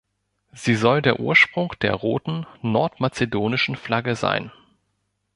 Sie soll der Ursprung der roten, nordmazedonischen Flagge sein.